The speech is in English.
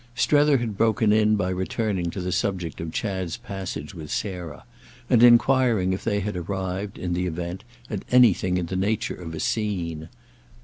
Strether had broken in by returning to the subject of Chad's passage with Sarah and enquiring if they had arrived, in the event, at anything in the nature of a "scene."